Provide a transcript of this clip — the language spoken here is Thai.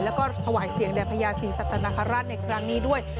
และก็ถวายเสียงแด่งพญาศิสตนธรรทในกลางนี้ด้วย